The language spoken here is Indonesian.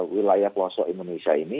wilayah pelosok indonesia ini